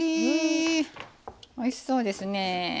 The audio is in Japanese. おいしそうですね。